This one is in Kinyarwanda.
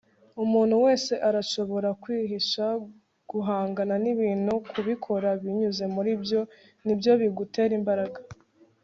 umuntu wese arashobora kwihisha. guhangana n'ibintu, kubikora binyuze muri byo, nibyo bigutera imbaraga